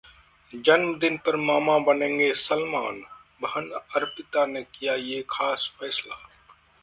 जन्मदिन पर मामा बनेंगे सलमान? बहन अर्पिता ने किया ये खास फैसला